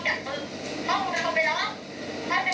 ของนาฬิกาไม่ได้